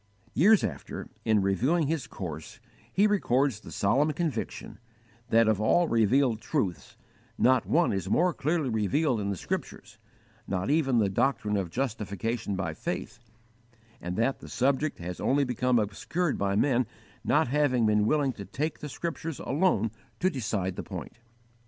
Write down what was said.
Years after, in reviewing his course, he records the solemn conviction that "of all revealed truths, not one is more clearly revealed in the Scriptures not even the doctrine of justification by faith and that the subject has only become obscured by men not having been willing to take the Scriptures alone to decide the point."